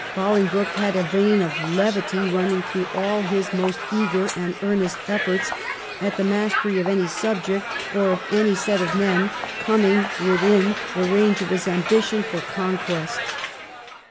Boling broke had a vein of levity running through all his most eager and earnest efforts at the mastery of any subject, or of any set of men coming within the range of his ambition for conquest.